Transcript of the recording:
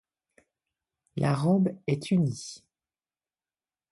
La robe est unie.